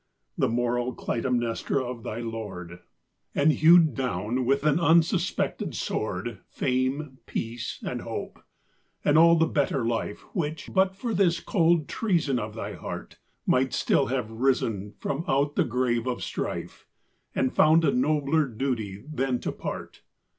The moral Clytemnestra of thy lord, And hewed down, with an unsuspected sword, Fame, peace, and hope and all the better life Which, but for this cold treason of thy heart, Might still have risen from out the grave of strife, And found a nobler duty than to part.